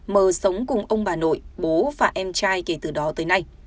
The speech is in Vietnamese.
mẹ m đã sống cùng ông bà nội bố và em trai kể từ đó tới nay